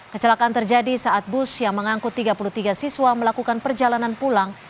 kecelakaan terjadi saat bus yang mengangkut tiga puluh tiga siswa melakukan perjalanan pulang